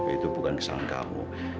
itu bukan kesalahan kamu